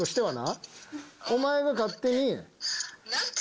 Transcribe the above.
お前が勝手に。